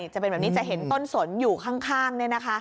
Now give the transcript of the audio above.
จะเป็นแบบนี้จะเห็นต้นสนอยู่ข้างเนี่ยนะคะ